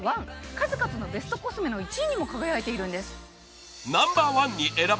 数々のベストコスメの１位にも輝いているんです。